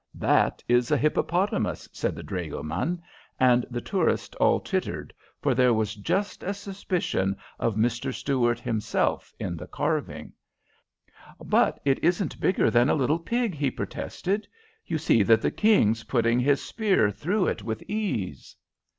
"That is a hippopotamus," said the dragoman; and the tourists all tittered, for there was just a suspicion of Mr. Stuart himself in the carving. "But it isn't bigger than a little pig," he protested. "You see that the King is putting his spear through it with ease."